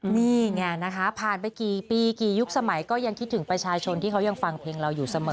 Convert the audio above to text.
นี่ไงนะคะผ่านไปกี่ปีกี่ยุคสมัยก็ยังคิดถึงประชาชนที่เขายังฟังเพลงเราอยู่เสมอ